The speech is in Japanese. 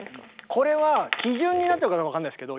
これは基準になってるかどうかは分かんないですけど